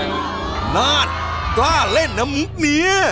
นาดกล้าเล่นน้ำเมีย